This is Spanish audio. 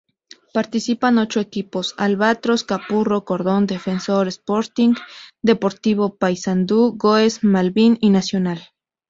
Participan ocho equipos: Albatros, Capurro, Cordón, Defensor Sporting, Deportivo Paysandú, Goes, Malvín y Nacional.